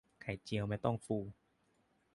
ไข่เจียวไม่ต้องฟู